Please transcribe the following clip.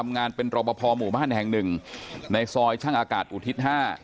ในซอยช่างอากาศอุทิศทร์๕